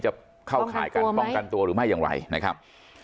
จะเข้าข่ายการป้องกันตัวหรือไม่อย่างไรนะครับ